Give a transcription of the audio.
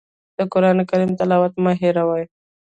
د قرآن کریم تلاوت مه هېروئ.